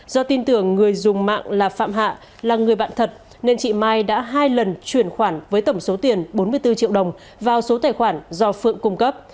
do tin tưởng người dùng mạng là phạm hạ là người bạn thật nên chị mai đã hai lần chuyển khoản với tổng số tiền bốn mươi bốn triệu đồng vào số tài khoản do phượng cung cấp